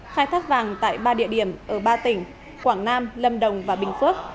khai thác vàng tại ba địa điểm ở ba tỉnh quảng nam lâm đồng và bình phước